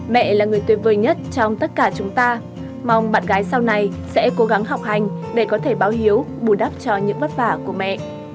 mẹ là người tuyệt vời nhất trong tất cả chúng ta mong bạn gái sau này sẽ cố gắng học hành để có thể báo hiếu bù đắp cho những vất vả của mẹ